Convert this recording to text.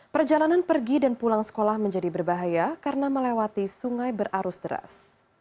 perjalanan pergi dan pulang sekolah menjadi berbahaya karena melewati sungai berarus deras